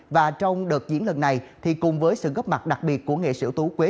và trong đợt diễn lần này cùng với sự góp mặt đặc biệt của nghệ sĩ ủ tố quế